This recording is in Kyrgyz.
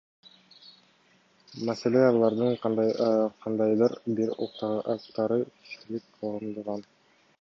Маселе — алардын кандайдыр бир укуктары чектелип калгандыгында.